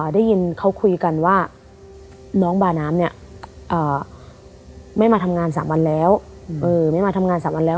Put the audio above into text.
ได้ยินเขาคุยกันว่าน้องบาน้ำไม่มาทำงานสามวันแล้ว